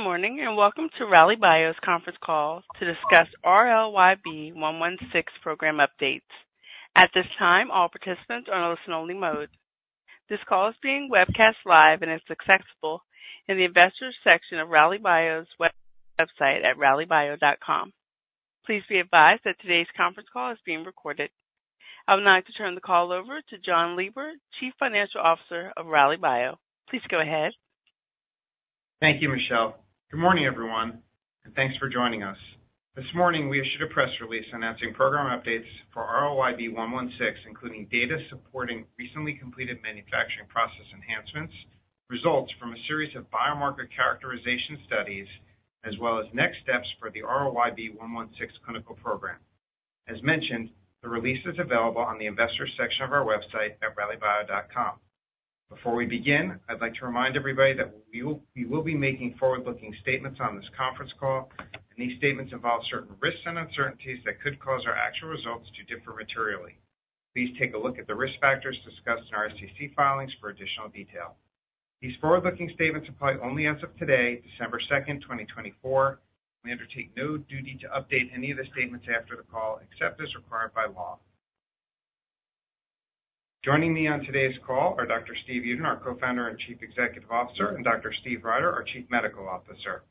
Good morning and welcome to Rallybio's Conference Call to discuss RLYB 116 program updates. At this time, all participants are in listen-only mode. This call is being webcast live and is accessible in the investor section of Rallybio's website at Rallybio.com. Please be advised that today's Conference Call is being recorded. I would like to turn the call over to Jonathan Lieber, Chief Financial Officer of Rallybio. Please go ahead. Thank you, Michelle. Good morning, everyone, and thanks for joining us. This morning, we issued a press release announcing program updates for RLYB 116, including data supporting recently completed manufacturing process enhancements, results from a series of biomarker characterization studies, as well as next steps for the RLYB 116 clinical program. As mentioned, the release is available on the investor section of our website at rallybio.com. Before we begin, I'd like to remind everybody that we will be making forward-looking statements on this conference call, and these statements involve certain risks and uncertainties that could cause our actual results to differ materially. Please take a look at the risk factors discussed in our SEC filings for additional detail. These forward-looking statements apply only as of today, December 2nd, 2024. We undertake no duty to update any of the statements after the call, except as required by law. Joining me on today's call are Dr. Stephen Uden, our Co-founder and Chief Executive Officer, and Dr. Stephen Ryder, our Chief Medical Officer.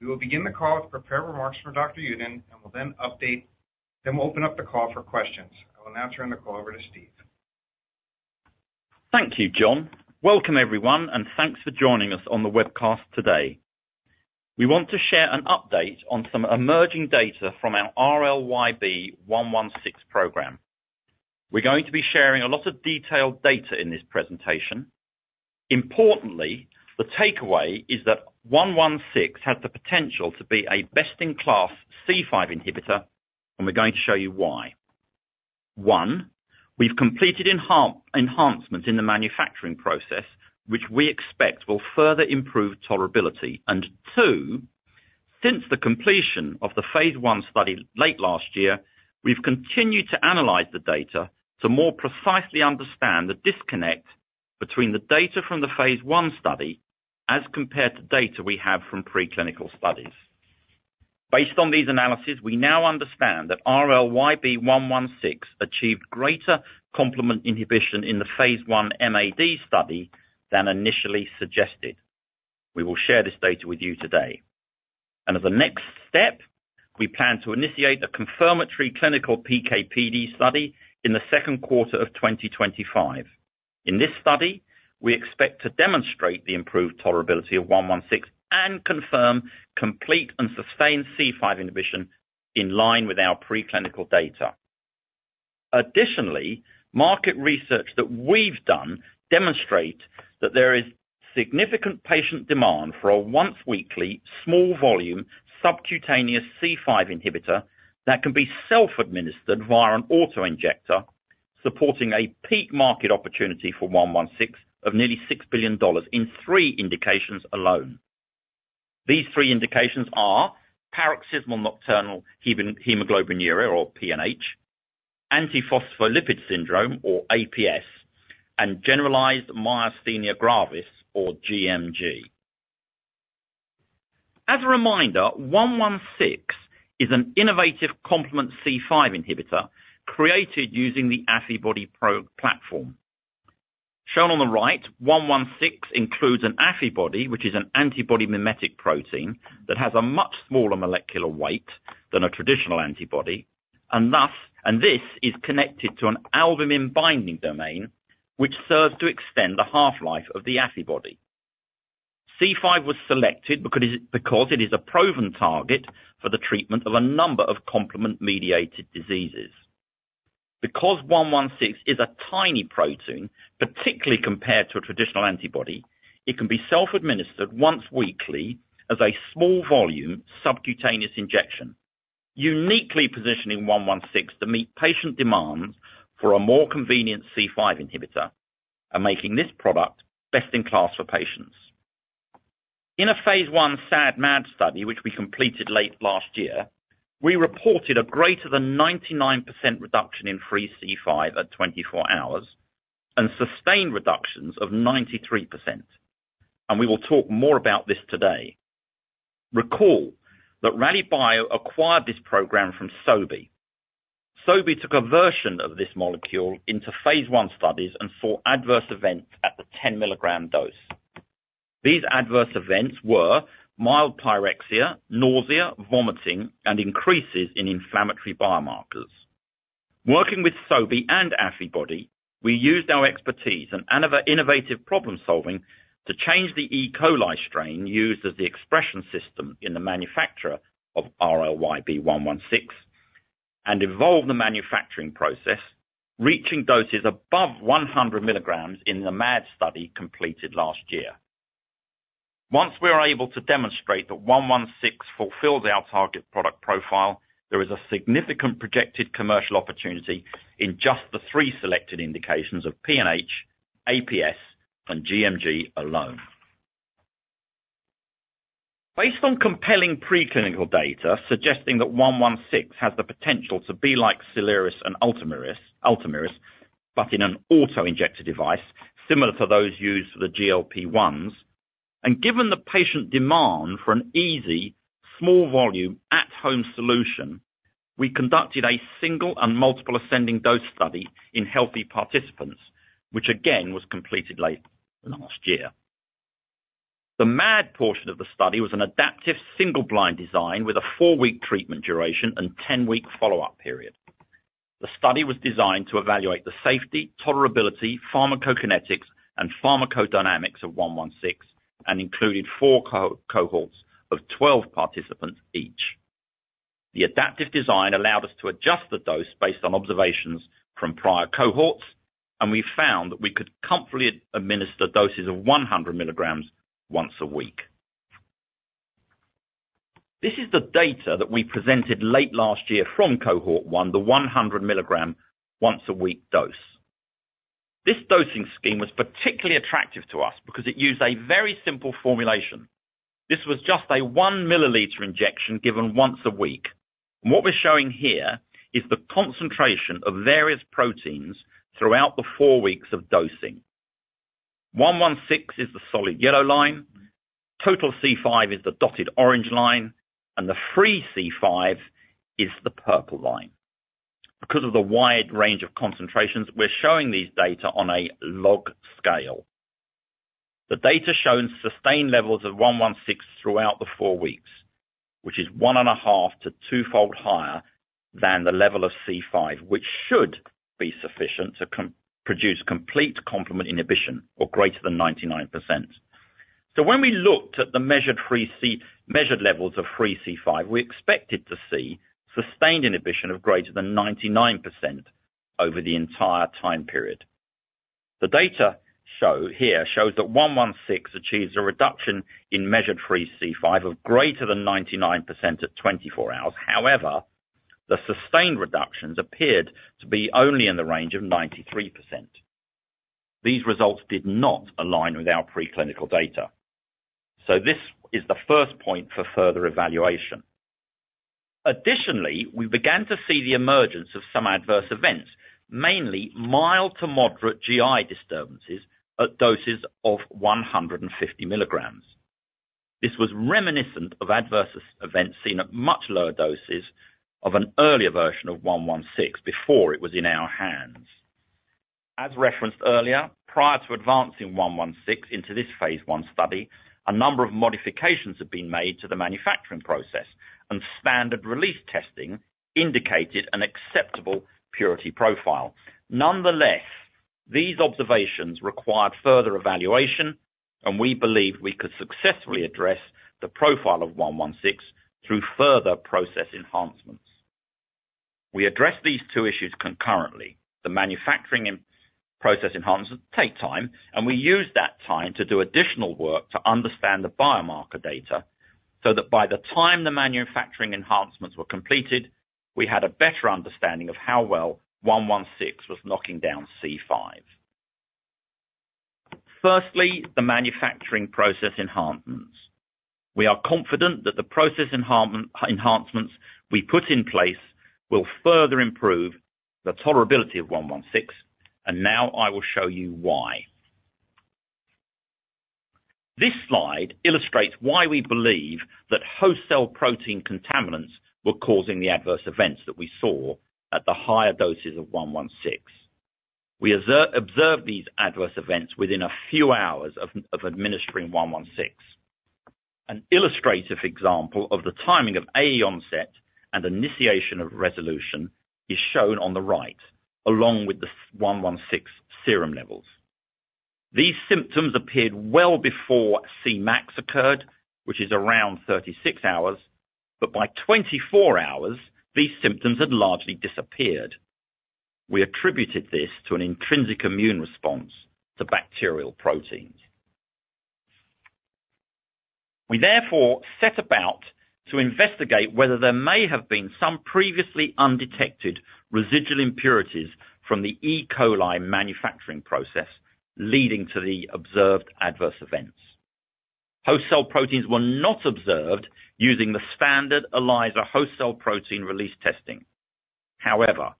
We will begin the call with prepared remarks from Dr. Uden and will then open up the call for questions. I will now turn the call over to Stephen. Thank you, Jonathan. Welcome, everyone, and thanks for joining us on the webcast today. We want to share an update on some emerging data from our RLYB 116 program. We're going to be sharing a lot of detailed data in this presentation. Importantly, the takeaway is that 116 has the potential to be a best-in-class C5 inhibitor, and we're going to show you why. One, we've completed enhancements in the manufacturing process, which we expect will further improve tolerability. And two, since the completion of the phase I study late last year, we've continued to analyze the data to more precisely understand the disconnect between the data from the Phase I study as compared to data we have from preclinical studies. Based on these analyses, we now understand that RLYB 116 achieved greater complement inhibition in the Phase I MAD study than initially suggested. We will share this data with you today. And as a next step, we plan to initiate a confirmatory clinical PKPD study in the second quarter of 2025. In this study, we expect to demonstrate the improved tolerability of 116 and confirm complete and sustained C5 inhibition in line with our preclinical data. Additionally, market research that we've done demonstrates that there is significant patient demand for a once-weekly, small-volume, subcutaneous C5 inhibitor that can be self-administered via an autoinjector, supporting a peak market opportunity for 116 of nearly $6 billion in three indications alone. These three indications are paroxysmal nocturnal hemoglobinuria, or PNH, antiphospholipid syndrome, or APS, and generalized myasthenia gravis, or GMG. As a reminder, 116 is an innovative complement C5 inhibitor created using the Affibody platform. Shown on the right, 116 includes an Affibody, which is an antibody-mimetic protein that has a much smaller molecular weight than a traditional antibody, and this is connected to an albumin-binding domain, which serves to extend the half-life of the Affibody. C5 was selected because it is a proven target for the treatment of a number of complement-mediated diseases. Because 116 is a tiny protein, particularly compared to a traditional antibody, it can be self-administered once weekly as a small-volume subcutaneous injection, uniquely positioning 116 to meet patient demands for a more convenient C5 inhibitor and making this product best in class for patients. In a phase I SAD/MAD study, which we completed late last year, we reported a greater than 99% reduction in free C5 at 24 hours and sustained reductions of 93%. And we will talk more about this today. Recall that Rallybio acquired this program from Sobi. Sobi took a version of this molecule into phase I studies and saw adverse events at the 10-milligram dose. These adverse events were mild pyrexia, nausea, vomiting, and increases in inflammatory biomarkers. Working with Sobi and Affibody, we used our expertise and innovative problem-solving to change the E. coli strain used as the expression system in the manufacturing of RLYB 116 and evolve the manufacturing process, reaching doses above 100 milligrams in the MAD study completed last year. Once we were able to demonstrate that 116 fulfilled our target product profile, there was a significant projected commercial opportunity in just the three selected indications of PNH, APS, and GMG alone. Based on compelling preclinical data suggesting that 116 has the potential to be like Soliris and Ultomiris, but in an autoinjector device similar to those used for the GLP-1s, and given the patient demand for an easy, small-volume, at-home solution, we conducted a single and multiple ascending dose study in healthy participants, which again was completed late last year. The MAD portion of the study was an adaptive single-blind design with a four-week treatment duration and 10-week follow-up period. The study was designed to evaluate the safety, tolerability, pharmacokinetics, and pharmacodynamics of 116 and included four cohorts of 12 participants each. The adaptive design allowed us to adjust the dose based on observations from prior cohorts, and we found that we could comfortably administer doses of 100 milligrams once a week. This is the data that we presented late last year from cohort one, the 100-milligram once-a-week dose. This dosing scheme was particularly attractive to us because it used a very simple formulation. This was just a one-milliliter injection given once a week. And what we're showing here is the concentration of various proteins throughout the four weeks of dosing. 116 is the solid yellow line, total C5 is the dotted orange line, and the free C5 is the purple line. Because of the wide range of concentrations, we're showing these data on a log scale. The data show sustained levels of 116 throughout the four weeks, which is one and a half to twofold higher than the level of C5, which should be sufficient to produce complete complement inhibition or greater than 99%. So when we looked at the measured levels of free C5, we expected to see sustained inhibition of greater than 99% over the entire time period. The data here shows that 116 achieves a reduction in measured free C5 of greater than 99% at 24 hours. However, the sustained reductions appeared to be only in the range of 93%. These results did not align with our preclinical data. This is the first point for further evaluation. Additionally, we began to see the emergence of some adverse events, mainly mild to moderate GI disturbances at doses of 150 milligrams. This was reminiscent of adverse events seen at much lower doses of an earlier version of 116 before it was in our hands. As referenced earlier, prior to advancing 116 into this phase I study, a number of modifications had been made to the manufacturing process, and standard release testing indicated an acceptable purity profile. Nonetheless, these observations required further evaluation, and we believed we could successfully address the profile of 116 through further process enhancements. We addressed these two issues concurrently. The manufacturing and process enhancements take time, and we used that time to do additional work to understand the biomarker data so that by the time the manufacturing enhancements were completed, we had a better understanding of how well 116 was knocking down C5. Firstly, the manufacturing process enhancements. We are confident that the process enhancements we put in place will further improve the tolerability of 116, and now I will show you why. This slide illustrates why we believe that host cell protein contaminants were causing the adverse events that we saw at the higher doses of 116. We observed these adverse events within a few hours of administering 116. An illustrative example of the timing of AE onset and initiation of resolution is shown on the right, along with the 116 serum levels. These symptoms appeared well before Cmax occurred, which is around 36 hours, but by 24 hours, these symptoms had largely disappeared. We attributed this to an intrinsic immune response to bacterial proteins. We therefore set about to investigate whether there may have been some previously undetected residual impurities from the E. coli manufacturing process leading to the observed adverse events. Host cell proteins were not observed using the standard ELISA host cell protein release testing. However,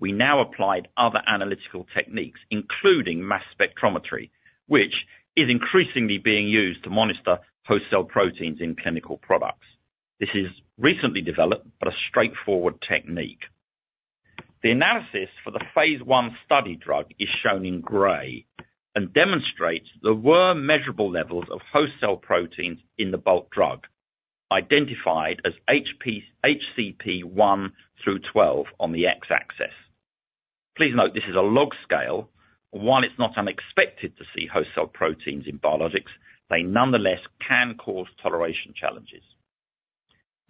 we now applied other analytical techniques, including mass spectrometry, which is increasingly being used to monitor host cell proteins in clinical products. This is recently developed, but a straightforward technique. The analysis for the Phase I study drug is shown in gray and demonstrates there were measurable levels of host cell proteins in the bulk drug, identified as HCP 1 through 12 on the X-axis. Please note this is a log scale. While it's not unexpected to see host cell proteins in biologics, they nonetheless can cause toleration challenges.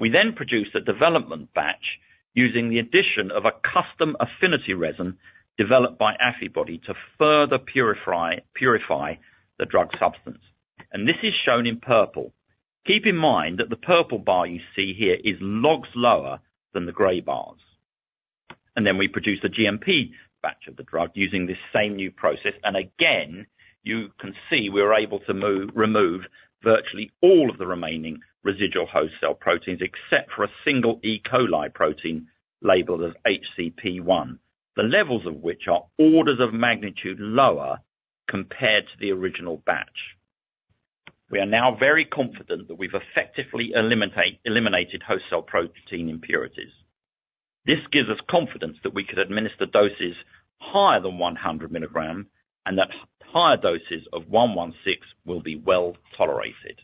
We then produced a development batch using the addition of a custom affinity resin developed by Affibody to further purify the drug substance. And this is shown in purple. Keep in mind that the purple bar you see here is logs lower than the gray bars. And then we produced a GMP batch of the drug using this same new process. And again, you can see we were able to remove virtually all of the remaining residual host cell proteins except for a single E. coli protein labeled as HCP 1, the levels of which are orders of magnitude lower compared to the original batch. We are now very confident that we've effectively eliminated host cell protein impurities. This gives us confidence that we could administer doses higher than 100 milligram and that higher doses of 116 will be well tolerated.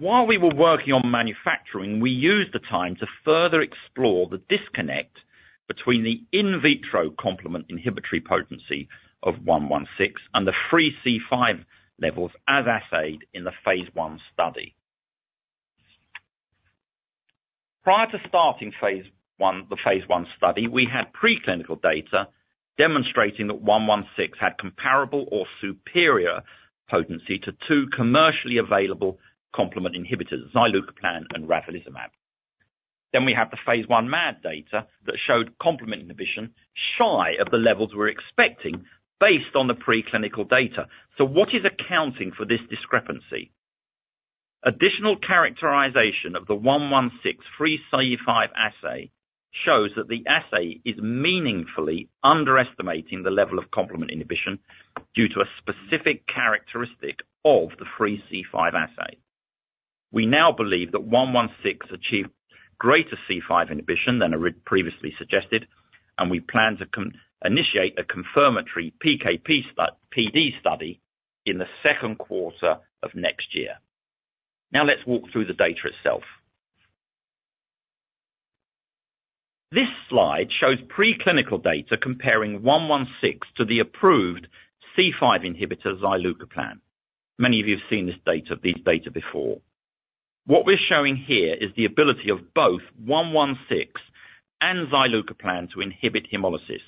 While we were working on manufacturing, we used the time to further explore the disconnect between the in vitro complement inhibitory potency of 116 and the free C5 levels as assayed in the Phase I study. Prior to starting the phase I study, we had preclinical data demonstrating that 116 had comparable or superior potency to two commercially available complement inhibitors, Zilucoplan and Ravulizumab. Then we had the Phase I MAD data that showed complement inhibition shy of the levels we were expecting based on the preclinical data. So what is accounting for this discrepancy? Additional characterization of the 116 free C5 assay shows that the assay is meaningfully underestimating the level of complement inhibition due to a specific characteristic of the free C5 assay. We now believe that 116 achieved greater C5 inhibition than previously suggested, and we plan to initiate a confirmatory PD study in the second quarter of next year. Now let's walk through the data itself. This slide shows preclinical data comparing 116 to the approved C5 inhibitor, Zilucoplan. Many of you have seen these data before. What we're showing here is the ability of both 116 and Zilucoplan to inhibit hemolysis,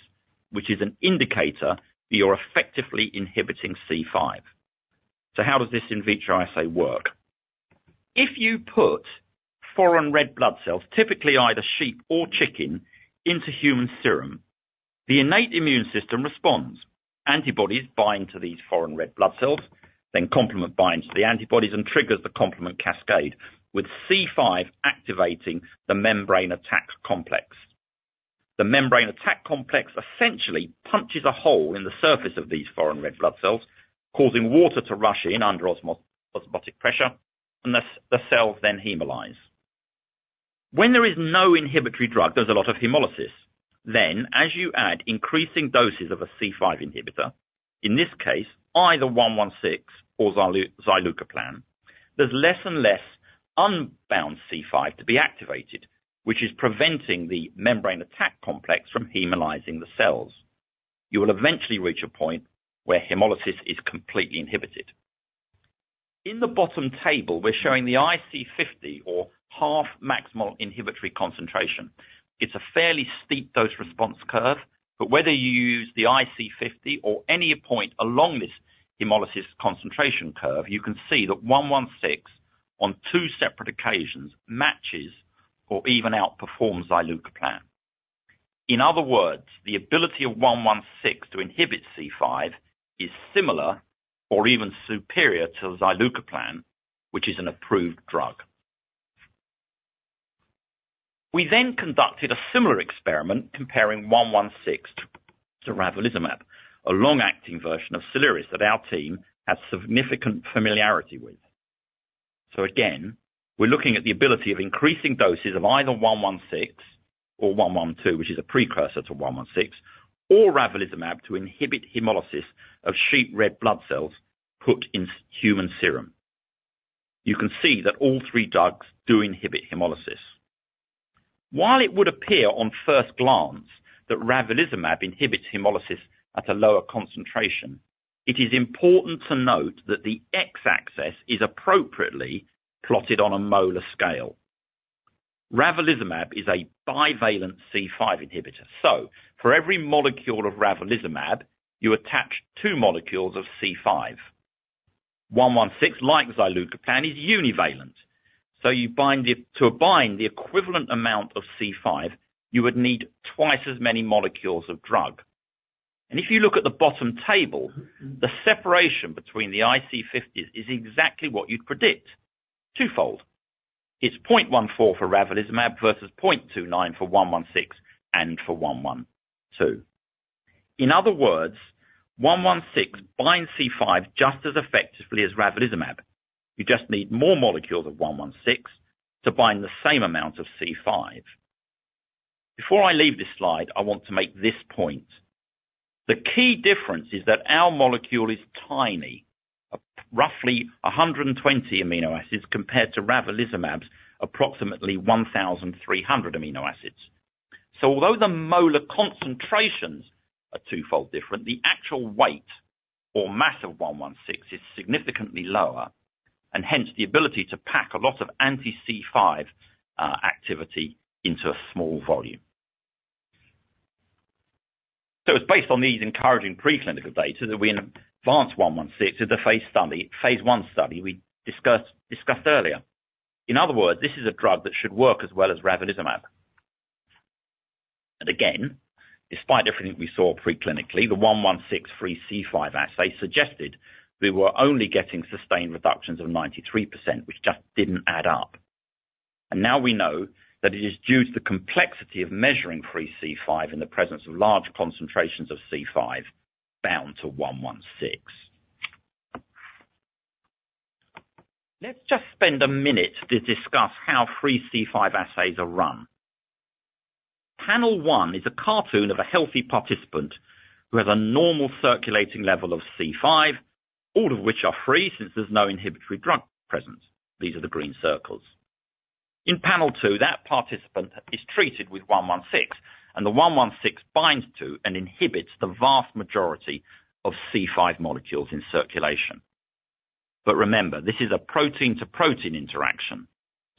which is an indicator that you're effectively inhibiting C5. So how does this in vitro assay work? If you put foreign red blood cells, typically either sheep or chicken, into human serum, the innate immune system responds. Antibodies bind to these foreign red blood cells, then complement binds to the antibodies and triggers the complement cascade, with C5 activating the membrane attack complex. The membrane attack complex essentially punches a hole in the surface of these foreign red blood cells, causing water to rush in under osmotic pressure, and the cells then hemolyze. When there is no inhibitory drug, there's a lot of hemolysis. Then, as you add increasing doses of a C5 inhibitor, in this case, either 116 or Zilucoplan, there's less and less unbound C5 to be activated, which is preventing the membrane attack complex from hemolyzing the cells. You will eventually reach a point where hemolysis is completely inhibited. In the bottom table, we're showing the IC50, or half-maximal inhibitory concentration. It's a fairly steep dose-response curve, but whether you use the IC50 or any point along this hemolysis concentration curve, you can see that 116, on two separate occasions, matches or even outperforms Zilucoplan. In other words, the ability of 116 to inhibit C5 is similar or even superior to Zilucoplan, which is an approved drug. We then conducted a similar experiment comparing 116 to Ravulizumab, a long-acting version of Soliris that our team had significant familiarity with. So again, we're looking at the ability of increasing doses of either 116 or 112, which is a precursor to 116, or Ravulizumab to inhibit hemolysis of sheep red blood cells put in human serum. You can see that all three drugs do inhibit hemolysis. While it would appear on first glance that Ravulizumab inhibits hemolysis at a lower concentration, it is important to note that the X-axis is appropriately plotted on a molar scale. Ravulizumab is a bivalent C5 inhibitor. So for every molecule of Ravulizumab, you attach two molecules of C5. 116, like Zilucoplan, is univalent. To bind the equivalent amount of C5, you would need twice as many molecules of drug. If you look at the bottom table, the separation between the IC50s is exactly what you'd predict: twofold. It's 0.14 for Ravulizumab versus 0.29 for 116 and for 112. In other words, 116 binds C5 just as effectively as Ravulizumab. You just need more molecules of 116 to bind the same amount of C5. Before I leave this slide, I want to make this point. The key difference is that our molecule is tiny, roughly 120 amino acids, compared to Ravulizumab's approximately 1,300 amino acids. Although the molar concentrations are twofold different, the actual weight or mass of 116 is significantly lower, and hence the ability to pack a lot of anti-C5 activity into a small volume. It's based on these encouraging preclinical data that we advance 116 into phase I study we discussed earlier. In other words, this is a drug that should work as well as Ravulizumab. Again, despite everything we saw preclinically, the 116 free C5 assay suggested we were only getting sustained reductions of 93%, which just didn't add up. Now we know that it is due to the complexity of measuring free C5 in the presence of large concentrations of C5 bound to 116. Let's just spend a minute to discuss how free C5 assays are run. Panel one is a cartoon of a healthy participant who has a normal circulating level of C5, all of which are free since there's no inhibitory drug present. These are the green circles. In panel two, that participant is treated with 116, and the 116 binds to and inhibits the vast majority of C5 molecules in circulation. But remember, this is a protein-to-protein interaction,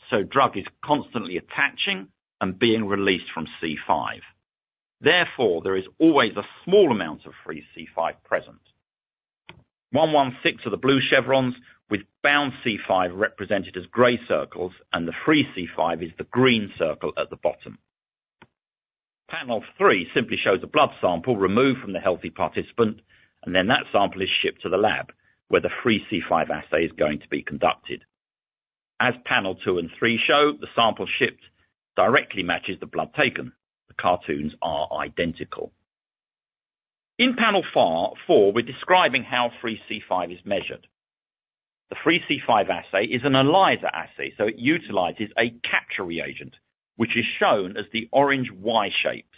so drug is constantly attaching and being released from C5. Therefore, there is always a small amount of free C5 present. 116 are the blue chevrons, with bound C5 represented as gray circles, and the free C5 is the green circle at the bottom. Panel three simply shows a blood sample removed from the healthy participant, and then that sample is shipped to the lab where the free C5 assay is going to be conducted. As panel two and three show, the sample shipped directly matches the blood taken. The cartoons are identical. In panel four, we're describing how free C5 is measured. The free C5 assay is an ELISA assay, so it utilizes a capture reagent, which is shown as the orange Y shapes.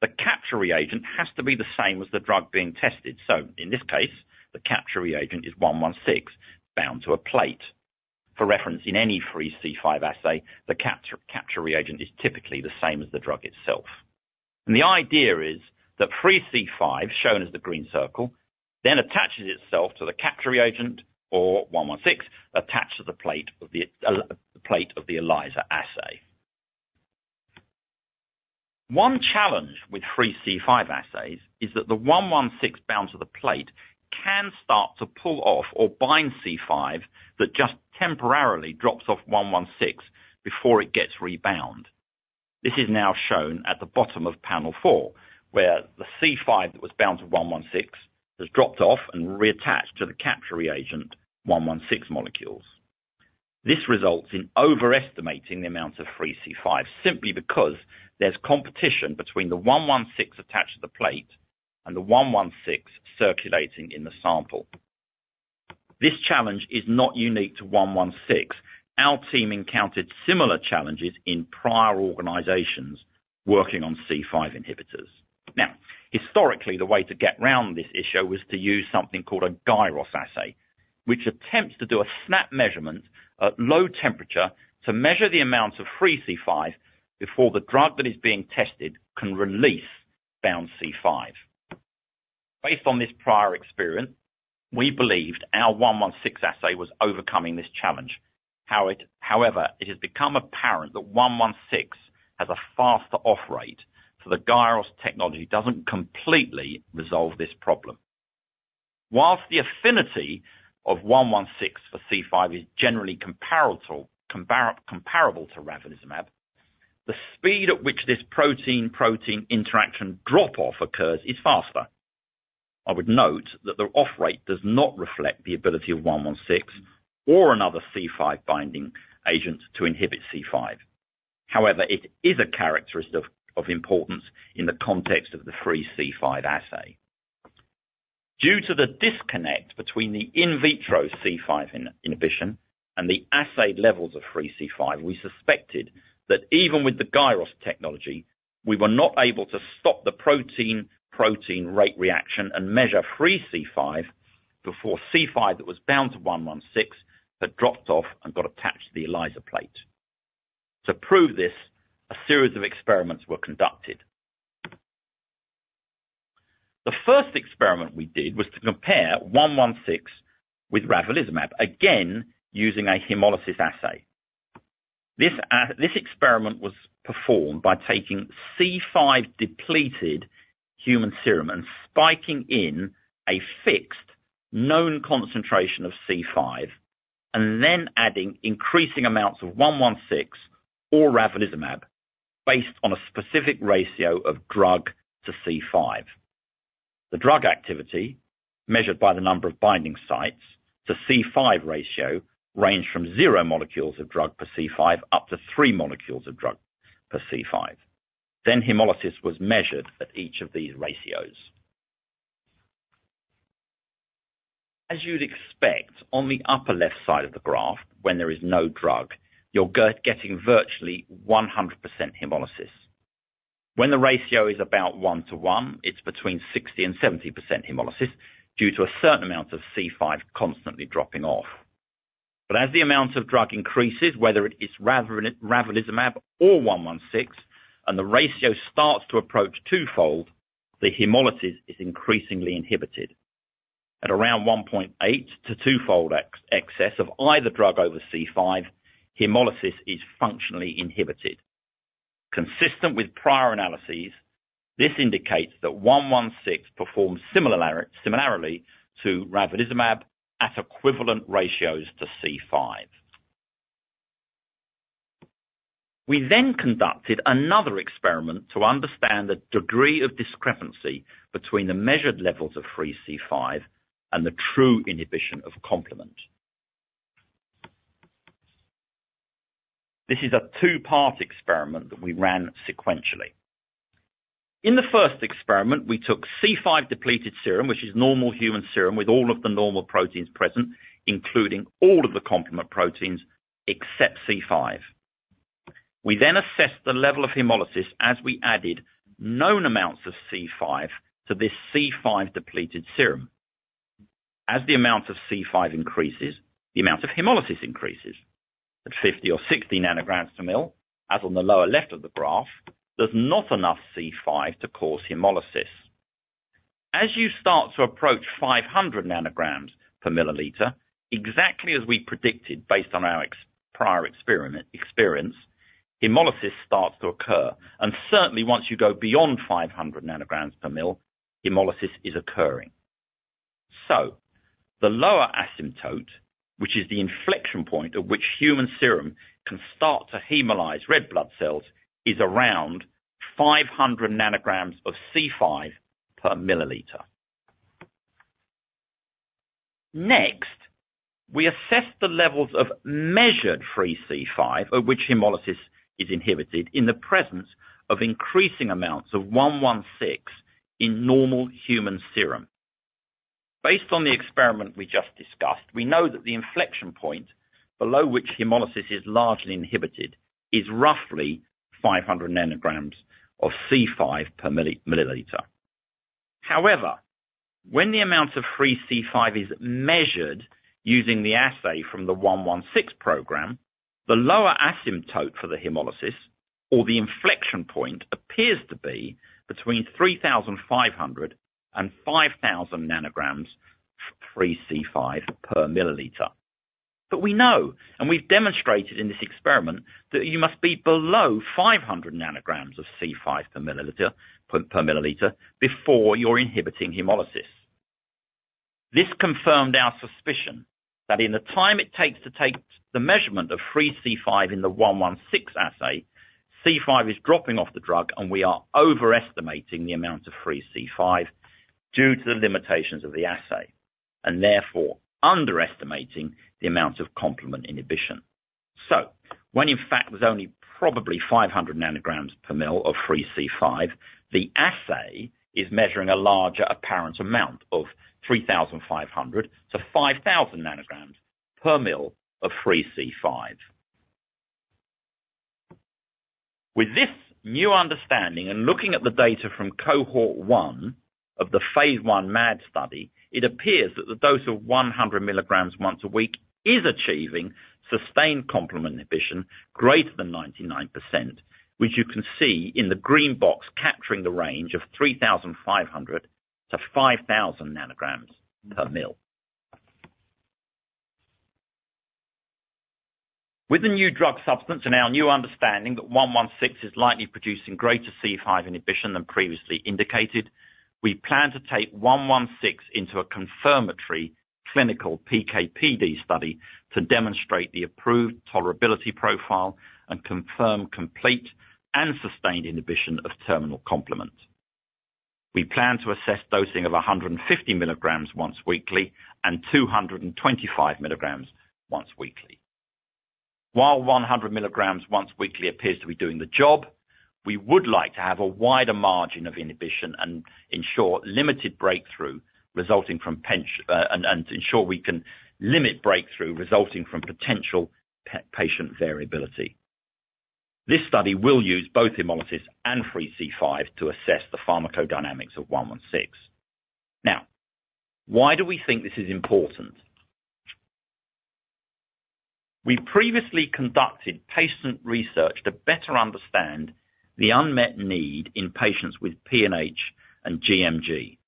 The capture reagent has to be the same as the drug being tested. So in this case, the capture reagent is 116 bound to a plate. For reference, in any free C5 assay, the capture reagent is typically the same as the drug itself. And the idea is that free C5, shown as the green circle, then attaches itself to the capture reagent, or 116 attaches to the plate of the ELISA assay. One challenge with free C5 assays is that the 116 bound to the plate can start to pull off or bind C5 that just temporarily drops off 116 before it gets rebound. This is now shown at the bottom of panel four, where the C5 that was bound to 116 has dropped off and reattached to the capture reagent 116 molecules. This results in overestimating the amount of free C5 simply because there's competition between the 116 attached to the plate and the 116 circulating in the sample. This challenge is not unique to 116. Our team encountered similar challenges in prior organizations working on C5 inhibitors. Now, historically, the way to get around this issue was to use something called a Gyros assay, which attempts to do a snap measurement at low temperature to measure the amount of free C5 before the drug that is being tested can release bound C5. Based on this prior experience, we believed our 116 assay was overcoming this challenge. However, it has become apparent that 116 has a faster off-rate, so the Gyros technology doesn't completely resolve this problem. While the affinity of 116 for C5 is generally comparable to Ravulizumab, the speed at which this protein-protein interaction drop-off occurs is faster. I would note that the off-rate does not reflect the ability of 116 or another C5 binding agent to inhibit C5. However, it is a characteristic of importance in the context of the free C5 assay. Due to the disconnect between the in vitro C5 inhibition and the assay levels of free C5, we suspected that even with the Gyros technology, we were not able to stop the protein-protein interaction and measure free C5 before C5 that was bound to 116 had dropped off and got attached to the ELISA plate. To prove this, a series of experiments were conducted. The first experiment we did was to compare 116 with Ravulizumab, again using a hemolysis assay. This experiment was performed by taking C5-depleted human serum and spiking in a fixed known concentration of C5, and then adding increasing amounts of 116 or Ravulizumab based on a specific ratio of drug to C5. The drug activity, measured by the number of binding sites, the C5 ratio ranged from zero molecules of drug per C5 up to three molecules of drug per C5. Then hemolysis was measured at each of these ratios. As you'd expect, on the upper left side of the graph, when there is no drug, you're getting virtually 100% hemolysis. When the ratio is about one to one, it's between 60% and 70% hemolysis due to a certain amount of C5 constantly dropping off. But as the amount of drug increases, whether it is Ravulizumab or 116, and the ratio starts to approach twofold, the hemolysis is increasingly inhibited. At around 1.8 to twofold excess of either drug over C5, hemolysis is functionally inhibited. Consistent with prior analyses, this indicates that 116 performs similarly to Ravulizumab at equivalent ratios to C5. We then conducted another experiment to understand the degree of discrepancy between the measured levels of free C5 and the true inhibition of complement. This is a two-part experiment that we ran sequentially. In the first experiment, we took C5-depleted serum, which is normal human serum with all of the normal proteins present, including all of the complement proteins except C5. We then assessed the level of hemolysis as we added known amounts of C5 to this C5-depleted serum. As the amount of C5 increases, the amount of hemolysis increases. At 50 or 60 nanograms per mL, as on the lower left of the graph, there's not enough C5 to cause hemolysis. As you start to approach 500 nanograms per milliliter, exactly as we predicted based on our prior experience, hemolysis starts to occur. And certainly, once you go beyond 500 nanograms per mL, hemolysis is occurring. So the lower asymptote, which is the inflection point at which human serum can start to hemolyze red blood cells, is around 500 nanograms of C5 per milliliter. Next, we assess the levels of measured free C5, at which hemolysis is inhibited, in the presence of increasing amounts of 116 in normal human serum. Based on the experiment we just discussed, we know that the inflection point below which hemolysis is largely inhibited is roughly 500 nanograms of C5 per milliliter. However, when the amount of free C5 is measured using the assay from the 116 program, the lower asymptote for the hemolysis, or the inflection point, appears to be between 3,500 and 5,000 nanograms free C5 per milliliter. But we know, and we've demonstrated in this experiment, that you must be below 500 nanograms of C5 per milliliter before you're inhibiting hemolysis. This confirmed our suspicion that in the time it takes to take the measurement of free C5 in the 116 assay, C5 is dropping off the drug, and we are overestimating the amount of free C5 due to the limitations of the assay, and therefore underestimating the amount of complement inhibition. So when, in fact, there's only probably 500 nanograms per ml of free C5, the assay is measuring a larger apparent amount of 3,500 to 5,000 nanograms per ml of free C5. With this new understanding and looking at the data from cohort one of the phase I MAD study, it appears that the dose of 100 milligrams once a week is achieving sustained complement inhibition greater than 99%, which you can see in the green box capturing the range of 3,500-5,000 nanograms per ml. With the new drug substance and our new understanding that 116 is likely producing greater C5 inhibition than previously indicated, we plan to take 116 into a confirmatory clinical PKPD study to demonstrate the approved tolerability profile and confirm complete and sustained inhibition of terminal complement. We plan to assess dosing of 150 milligrams once weekly and 225 milligrams once weekly. While 100 milligrams once weekly appears to be doing the job, we would like to have a wider margin of inhibition and ensure we can limit breakthrough resulting from potential patient variability. This study will use both hemolysis and free C5 to assess the pharmacodynamics of 116. Now, why do we think this is important? We've previously conducted patient research to better understand the unmet need in patients with PNH and GMG.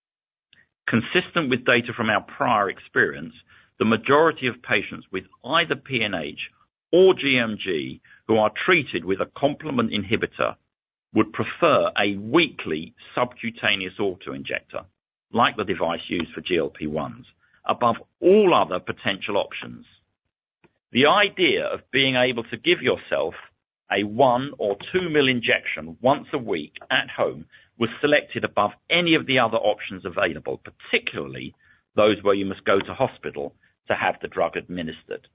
Consistent with data from our prior experience, the majority of patients with either PNH or GMG who are treated with a complement inhibitor would prefer a weekly subcutaneous autoinjector, like the device used for GLP-1s, above all other potential options. The idea of being able to give yourself a one or two-mL injection once a week at home was selected above any of the other options available, particularly those where you must go to hospital to have the drug administered.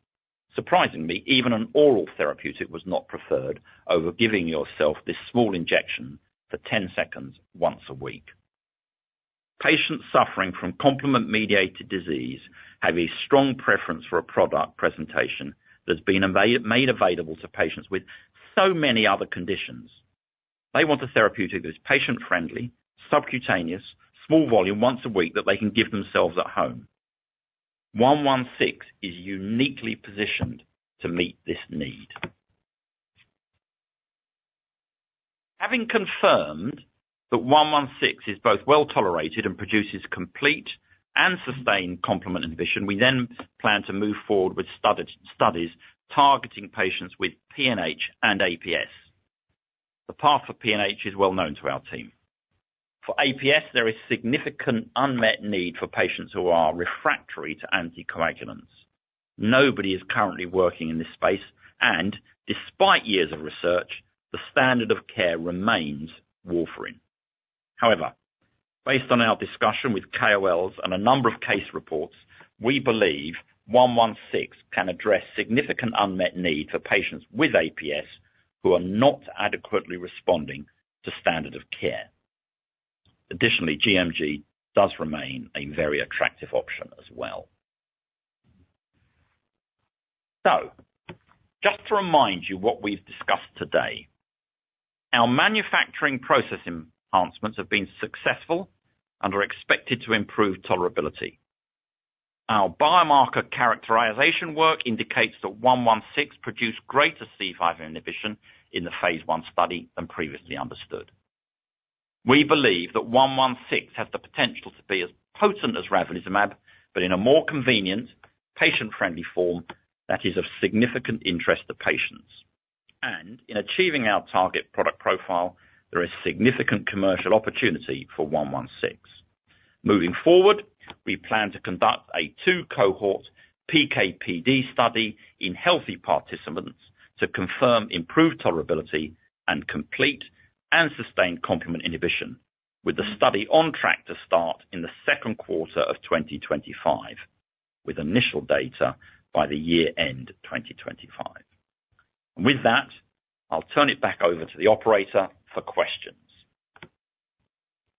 Surprisingly, even an oral therapeutic was not preferred over giving yourself this small injection for 10 seconds once a week. Patients suffering from complement-mediated disease have a strong preference for a product presentation that's been made available to patients with so many other conditions. They want a therapeutic that is patient-friendly, subcutaneous, small volume once a week that they can give themselves at home. 116 is uniquely positioned to meet this need. Having confirmed that 116 is both well tolerated and produces complete and sustained complement inhibition, we then plan to move forward with studies targeting patients with PNH and APS. The path for PNH is well known to our team. For APS, there is significant unmet need for patients who are refractory to anticoagulants. Nobody is currently working in this space, and despite years of research, the standard of care remains warfarin. However, based on our discussion with KOLs and a number of case reports, we believe 116 can address significant unmet need for patients with APS who are not adequately responding to standard of care. Additionally, GMG does remain a very attractive option as well. So just to remind you what we've discussed today, our manufacturing process enhancements have been successful and are expected to improve tolerability. Our biomarker characterization work indicates that 116 produced greater C5 inhibition in the phase I study than previously understood. We believe that 116 has the potential to be as potent as Ravulizumab, but in a more convenient, patient-friendly form that is of significant interest to patients, and in achieving our target product profile, there is significant commercial opportunity for 116. Moving forward, we plan to conduct a two-cohort PKPD study in healthy participants to confirm improved tolerability and complete and sustained complement inhibition, with the study on track to start in the second quarter of 2025, with initial data by the year-end 2025. With that, I'll turn it back over to the operator for questions.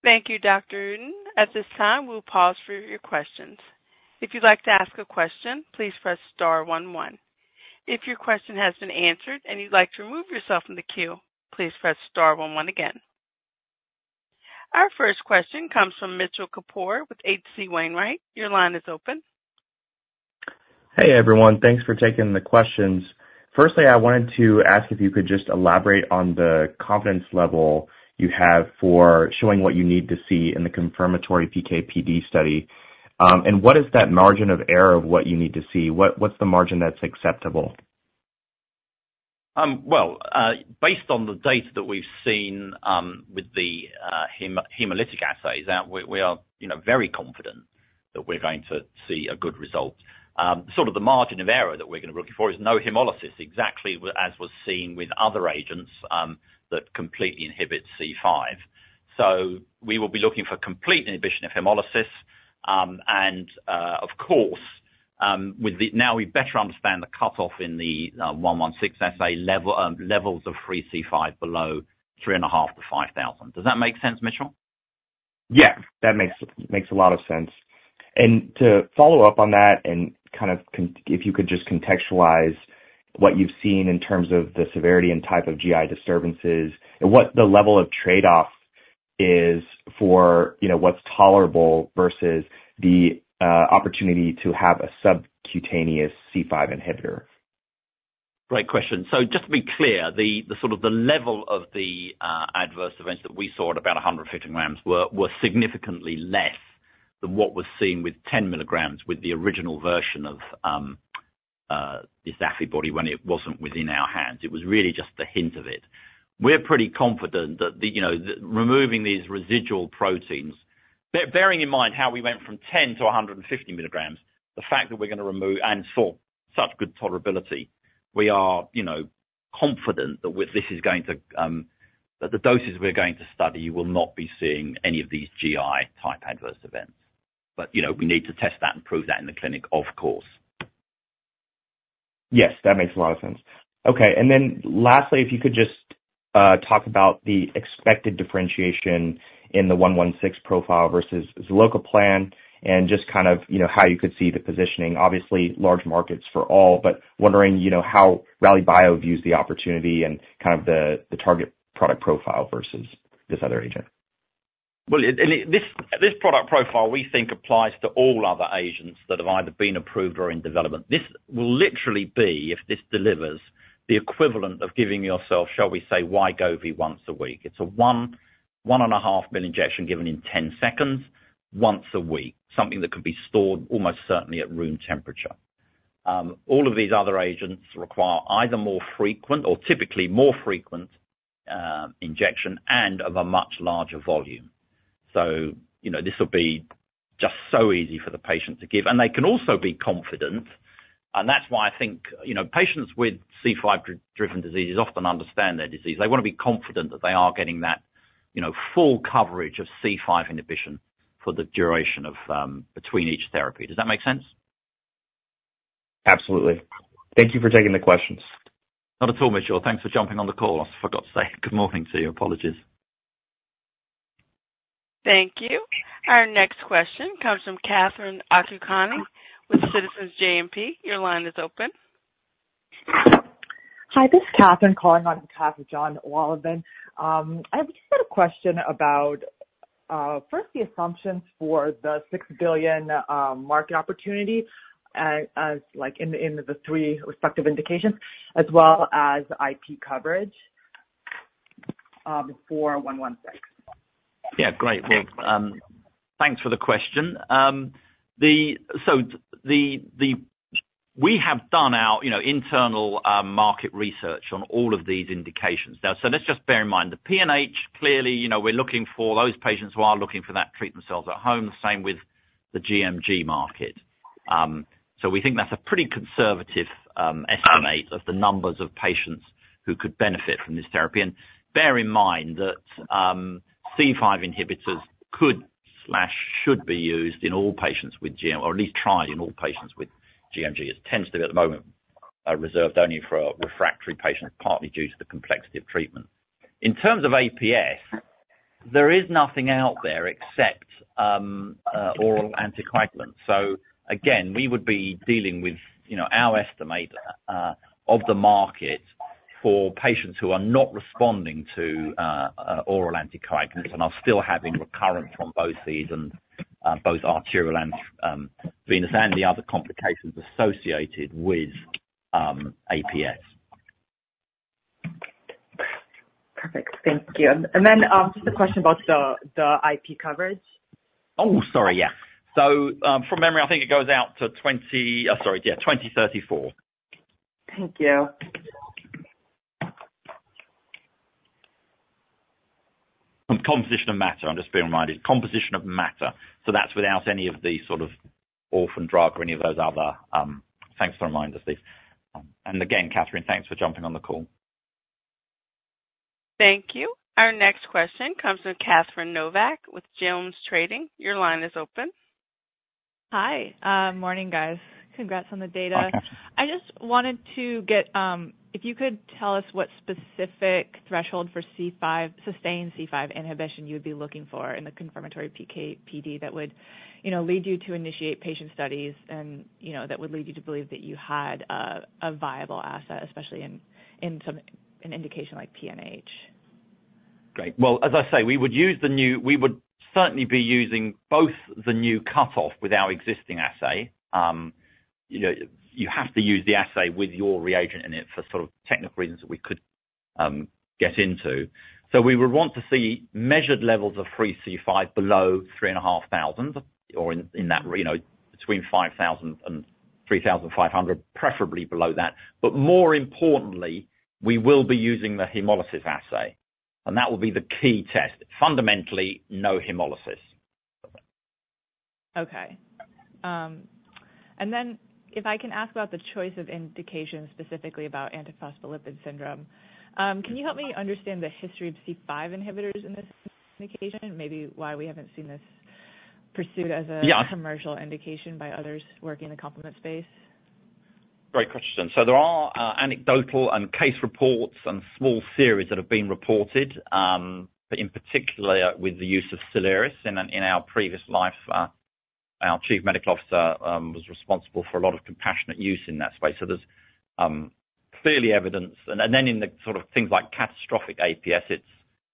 Thank you, Dr. Uden. At this time, we'll pause for your questions. If you'd like to ask a question, please press star one-one. If your question has been answered and you'd like to remove yourself from the queue, please press star one-one again. Our first question comes from Mitchell Kapoor with H.C. Wainwright. Your line is open. Hey, everyone. Thanks for taking the questions. Firstly, I wanted to ask if you could just elaborate on the confidence level you have for showing what you need to see in the confirmatory PKPD study. And what is that margin of error of what you need to see? What's the margin that's acceptable? Based on the data that we've seen with the hemolytic assays, we are very confident that we're going to see a good result. Sort of the margin of error that we're going to be looking for is no hemolysis, exactly as was seen with other agents that completely inhibit C5. So we will be looking for complete inhibition of hemolysis. And of course, now we better understand the cutoff in the 116 assay levels of free C5 below 3,500-5,000. Does that make sense, Mitchell? Yeah, that makes a lot of sense. And to follow up on that, and kind of if you could just contextualize what you've seen in terms of the severity and type of GI disturbances, and what the level of trade-off is for what's tolerable versus the opportunity to have a subcutaneous C5 inhibitor. Great question. So just to be clear, the sort of the level of the adverse events that we saw at about 150 milligrams were significantly less than what was seen with 10 milligrams with the original version of this Affibody when it wasn't in our hands. It was really just the hint of it. We're pretty confident that removing these residual proteins, bearing in mind how we went from 10 to 150 milligrams, the fact that we're going to remove and saw such good tolerability, we are confident that with this is going to that the doses we're going to study will not be seeing any of these GI-type adverse events. But we need to test that and prove that in the clinic, of course. Yes, that makes a lot of sense. Okay. And then lastly, if you could just talk about the expected differentiation in the 116 profile versus Zilucoplan, and just kind of how you could see the positioning. Obviously, large markets for all, but wondering how Rallybio views the opportunity and kind of the target product profile versus this other agent. Well, this product profile we think applies to all other agents that have either been approved or in development. This will literally be, if this delivers, the equivalent of giving yourself, shall we say, Wegovy once a week. It's a one and a half mil injection given in 10 seconds once a week, something that can be stored almost certainly at room temperature. All of these other agents require either more frequent or typically more frequent injection and of a much larger volume. So this will be just so easy for the patient to give. And they can also be confident. And that's why I think patients with C5-driven diseases often understand their disease. They want to be confident that they are getting that full coverage of C5 inhibition for the duration of between each therapy. Does that make sense? Absolutely. Thank you for taking the questions. Not at all, Mitchell. Thanks for jumping on the call. I forgot to say good morning to you. Apologies. Thank you. Our next question comes from Catherine Okoukoni with Citizens JMP. Your line is open. Hi, this is Catherine calling on behalf of Jonathan Wolleben. I have just got a question about, first, the assumptions for the $6 billion market opportunity in the three respective indications, as well as IP coverage for 116. Yeah, great. Well, thanks for the question. So we have done our internal market research on all of these indications. So let's just bear in mind the PNH, clearly, we're looking for those patients who are looking for that treat themselves at home, the same with the GMG market. So we think that's a pretty conservative estimate of the numbers of patients who could benefit from this therapy. And bear in mind that C5 inhibitors could or should be used in all patients with GMG, or at least tried in all patients with GMG. It tends to be at the moment reserved only for refractory patients, partly due to the complexity of treatment. In terms of APS, there is nothing out there except oral anticoagulants. So again, we would be dealing with our estimate of the market for patients who are not responding to oral anticoagulants and are still having recurrent thromboses and both arterial and venous and the other complications associated with APS. Perfect. Thank you, and then just a question about the IP coverage. Oh, sorry. Yeah. So from memory, I think it goes out to 2034. Thank you. Composition of matter. I'm just being reminded. Composition of matter. So that's without any of the sort of orphan drug or any of those other. Thanks for the reminder, Stephen. And again, Catherine, thanks for jumping on the call. Thank you. Our next question comes from Catherine Novack with JonesTrading. Your line is open. Hi. Morning, guys. Congrats on the data. I just wanted to see if you could tell us what specific threshold for sustained C5 inhibition you would be looking for in the confirmatory PKPD that would lead you to initiate patient studies and that would lead you to believe that you had a viable asset, especially in an indication like PNH. Great. Well, as I say, we would certainly be using both the new cutoff with our existing assay. You have to use the assay with your reagent in it for sort of technical reasons that we could get into. So we would want to see measured levels of free C5 below 3,500 or in that between 5,000 and 3,500, preferably below that. But more importantly, we will be using the hemolysis assay. And that will be the key test. Fundamentally, no hemolysis. Okay. And then if I can ask about the choice of indication specifically about antiphospholipid syndrome, can you help me understand the history of C5 inhibitors in this indication? Maybe why we haven't seen this pursued as a commercial indication by others working in the complement space. Great question. So there are anecdotal and case reports and small theories that have been reported, but in particular with the use of Soliris. In our previous life, our chief medical officer was responsible for a lot of compassionate use in that space. So there's clearly evidence. And then in the sort of things like catastrophic APS, it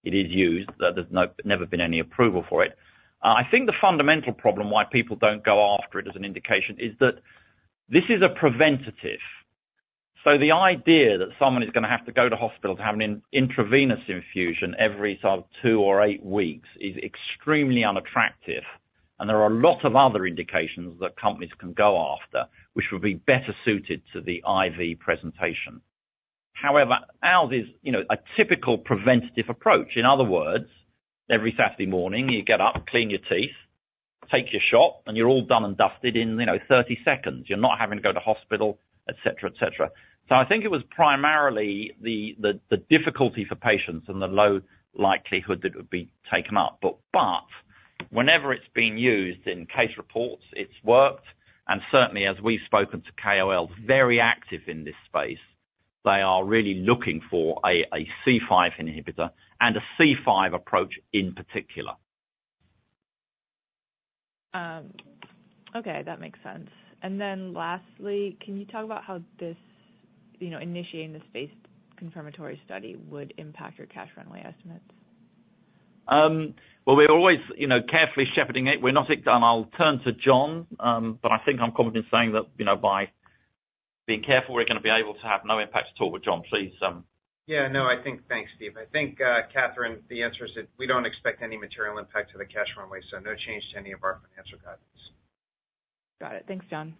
is used. There's never been any approval for it. I think the fundamental problem why people don't go after it as an indication is that this is a preventative. So the idea that someone is going to have to go to hospital to have an intravenous infusion every sort of two or eight weeks is extremely unattractive. And there are a lot of other indications that companies can go after, which would be better suited to the IV presentation. However, ours is a typical preventative approach. In other words, every Saturday morning, you get up, clean your teeth, take your shot, and you're all done and dusted in 30 seconds. You're not having to go to hospital, etc., etc. So I think it was primarily the difficulty for patients and the low likelihood that it would be taken up. But whenever it's been used in case reports, it's worked. And certainly, as we've spoken to KOLs, very active in this space, they are really looking for a C5 inhibitor and a C5 approach in particular. Okay. That makes sense. And then lastly, can you talk about how initiating this phased confirmatory study would impact your cash runway estimates? We're always carefully shepherding it. We're not. I'll turn to Jonathan, but I think I'm confident in saying that by being careful, we're going to be able to have no impact at all. Jonathan, please. Yeah. No, I think thanks, Stephen. I think, Catherine, the answer is that we don't expect any material impact to the cash runway, so no change to any of our financial guidance. Got it. Thanks, Jonathan.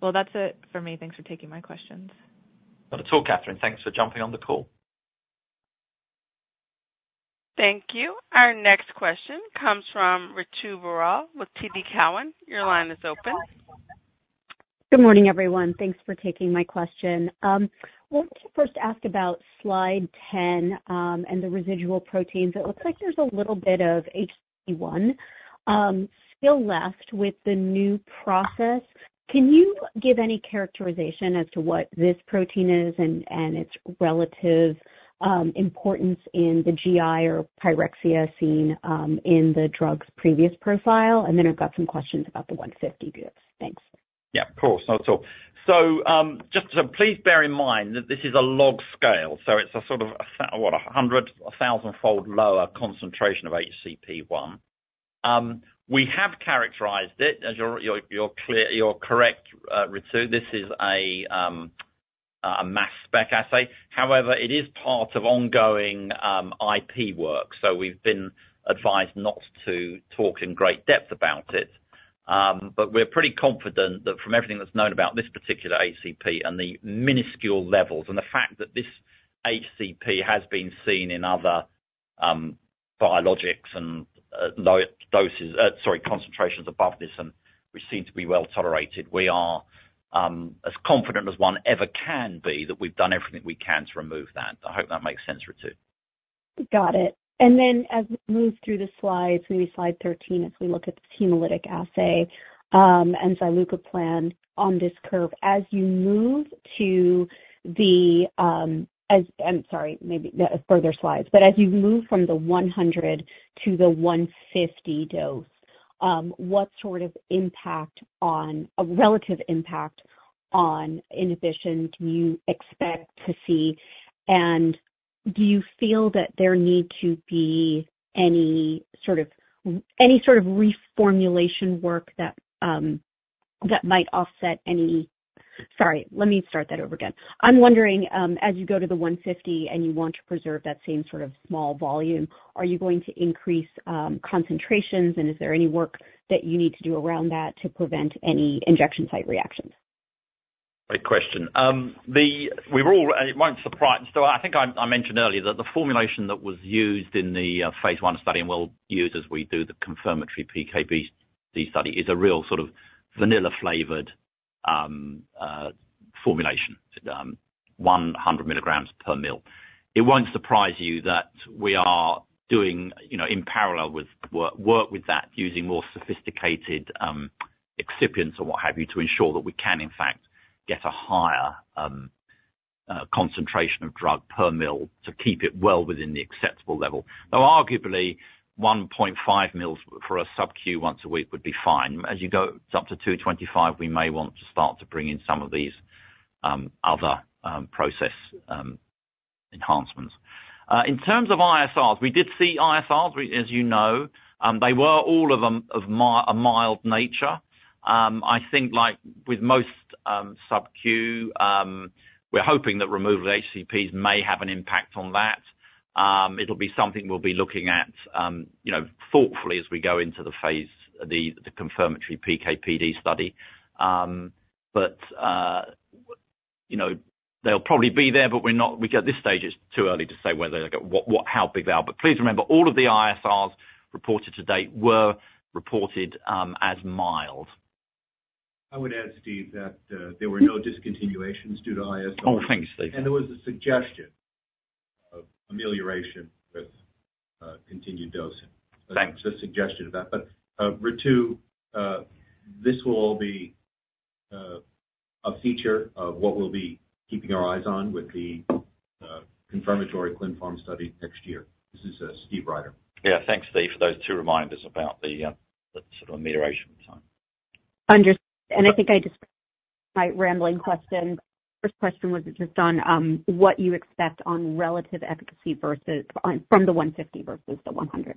Well, that's it for me. Thanks for taking my questions. Not at all, Catherine. Thanks for jumping on the call. Thank you. Our next question comes from Ritu Baral with TD Cowen. Your line is open. Good morning, everyone. Thanks for taking my question. Wanted to first ask about slide 10 and the residual proteins. It looks like there's a little bit of HCP still left with the new process. Can you give any characterization as to what this protein is and its relative importance in the GI or pyrexia seen in the drug's previous profile? And then I've got some questions about the 150 groups. Thanks. Yeah. Cool. Not at all. So just please bear in mind that this is a log scale. So it's a sort of, what, 100- to 1,000-fold lower concentration of HCP1. We have characterized it. You're correct, Ritu. This is a mass spec assay. However, it is part of ongoing IP work. So we've been advised not to talk in great depth about it. But we're pretty confident that from everything that's known about this particular HCP and the minuscule levels and the fact that this HCP has been seen in other biologics and lower doses sorry, concentrations above this, which seem to be well tolerated, we are as confident as one ever can be that we've done everything we can to remove that. I hope that makes sense, Ritu. Got it. And then as we move through the slides, maybe slide 13, as we look at this hemolytic assay and Zilucoplan on this curve, as you move from the 100 to the 150 dose, what sort of relative impact on inhibition can you expect to see? And do you feel that there need to be any sort of reformulation work? I'm wondering, as you go to the 150 and you want to preserve that same sort of small volume, are you going to increase concentrations? And is there any work that you need to do around that to prevent any injection site reactions? Great question. We were all and it won't surprise you. So I think I mentioned earlier that the formulation that was used in the phase one study and we'll use as we do the confirmatory PKBC study is a real sort of vanilla-flavored formulation, 100 milligrams per mL. It won't surprise you that we are doing, in parallel with work with that, using more sophisticated excipients or what have you to ensure that we can, in fact, get a higher concentration of drug per mL to keep it well within the acceptable level. Though arguably, 1.5 mL for a sub-Q once a week would be fine. As you go up to 225, we may want to start to bring in some of these other process enhancements. In terms of ISRs, we did see ISRs, as you know. They were all of them of a mild nature. I think like with most subQ, we're hoping that removal of HCPs may have an impact on that. It'll be something we'll be looking at thoughtfully as we go into the phase, the confirmatory PKPD study. But they'll probably be there, but we're not, at this stage, it's too early to say how big they are. But please remember, all of the ISRs reported to date were reported as mild. I would add, Stephen, that there were no discontinuations due to ISR. Oh, thanks, Stephen. There was a suggestion of amelioration with continued dosing. Thanks. Just a suggestion of that, but Ritu, this will all be a feature of what we'll be keeping our eyes on with the confirmatory ClinPharm study next year. This is Stephen Ryder. Yeah. Thanks, Stephen, for those two reminders about the sort of amelioration time. Understood. I think my rambling question. First question was just on what you expect on relative efficacy from the 150 versus the 100.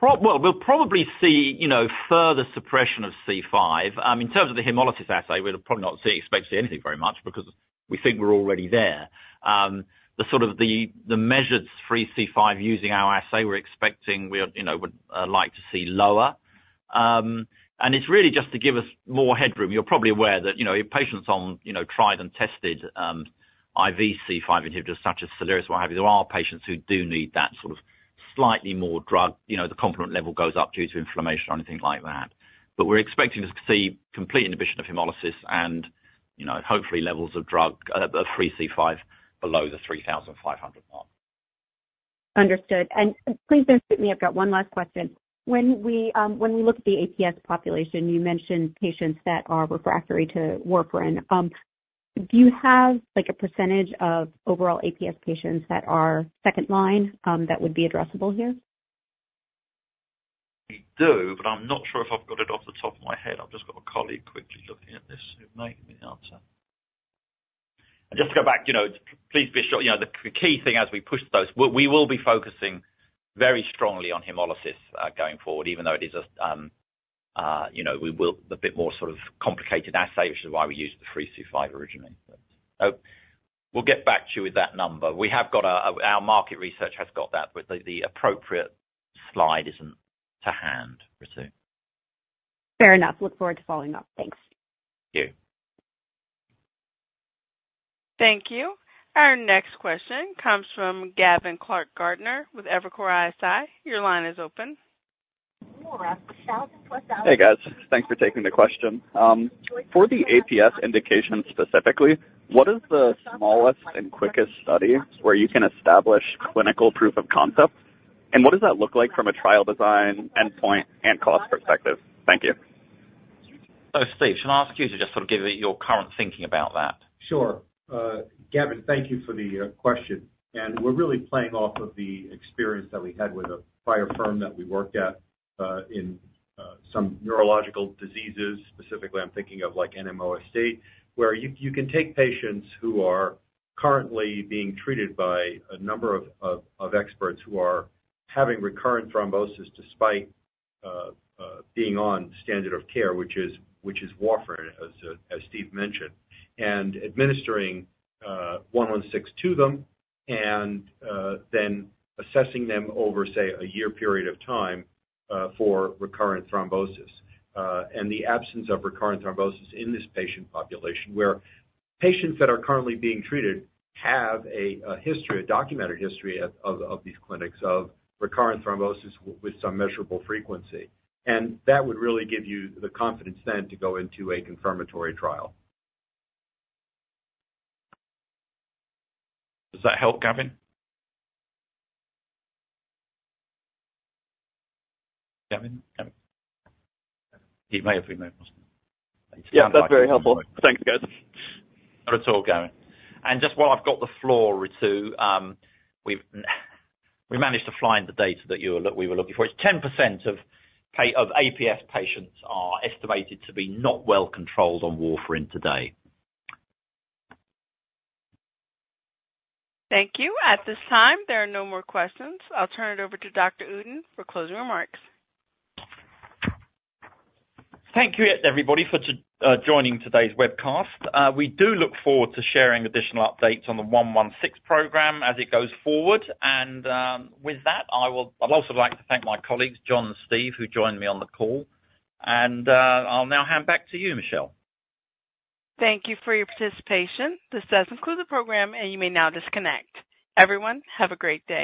We'll probably see further suppression of C5. In terms of the hemolysis assay, we'll probably not expect to see anything very much because we think we're already there. The sort of measured free C5 using our assay, we're expecting we would like to see lower. It's really just to give us more headroom. You're probably aware that patients on tried and tested IV C5 inhibitors such as Celeris or what have you. There are patients who do need that sort of slightly more drug. The complement level goes up due to inflammation or anything like that. We're expecting to see complete inhibition of hemolysis and hopefully levels of drug, of free C5 below the 3,500 mark. Understood, and please don't shoot me. I've got one last question. When we look at the APS population, you mentioned patients that are refractory to warfarin. Do you have a percentage of overall APS patients that are second line that would be addressable here? We do, but I'm not sure if I've got it off the top of my head. I've just got a colleague quickly looking at this who may be able to answer. And just to go back, please be sure the key thing as we push those, we will be focusing very strongly on hemolysis going forward, even though it is a bit more sort of complicated assay, which is why we use the free C5 originally. But we'll get back to you with that number. Our market research has got that, but the appropriate slide isn't to hand, Ritu. Fair enough. Look forward to following up. Thanks. Thank you. Thank you. Our next question comes from Gavin Clark-Gartner with Evercore ISI. Your line is open. Hey, guys. Thanks for taking the question. For the APS indication specifically, what is the smallest and quickest study where you can establish clinical proof of concept? And what does that look like from a trial design, endpoint, and cost perspective? Thank you. Oh, Stephen, shall I ask you to just sort of give your current thinking about that? Sure. Gavin, thank you for the question. And we're really playing off of the experience that we had with a prior firm that we worked at in some neurological diseases. Specifically, I'm thinking of like NMOSD, where you can take patients who are currently being treated by a number of experts who are having recurrent thrombosis despite being on standard of care, which is warfarin, as Stephen mentioned, and administering 116 to them and then assessing them over, say, a year period of time for recurrent thrombosis. And the absence of recurrent thrombosis in this patient population, where patients that are currently being treated have a history, a documented history of these clinics of recurrent thrombosis with some measurable frequency. And that would really give you the confidence then to go into a confirmatory trial. Does that help, Gavin? Gavin? He may have been able to. Yeah, that's very helpful. Thanks, guys. Not at all, Gavin. And just while I've got the floor, Ritu, we managed to find the data that we were looking for. It's 10% of APS patients are estimated to be not well controlled on warfarin today. Thank you. At this time, there are no more questions. I'll turn it over to Dr. Uden for closing remarks. Thank you, everybody, for joining today's webcast. We do look forward to sharing additional updates on the 116 program as it goes forward. And with that, I'd also like to thank my colleagues, Jonathan and Stephen, who joined me on the call. And I'll now hand back to you, Michelle. Thank you for your participation. This does conclude the program, and you may now disconnect. Everyone, have a great day.